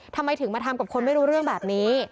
ทำไมถึงมาทำกับคนไม่รู้เรื่องแบบนี้